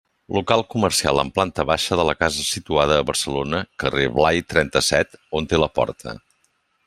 Local comercial en planta baixa de la casa situada a Barcelona, carrer Blai trenta-set, on té la porta.